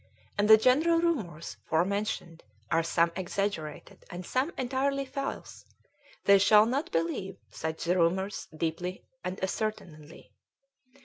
And the general rumours forementioned are some exaggerated and some entirely false; they shall not believe such the rumours, deeply and ascertainedly.